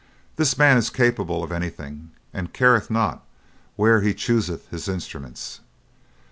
"This man is capable of anything, and careth not where he chooseth his instruments.